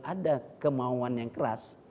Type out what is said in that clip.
ada kemauan yang keras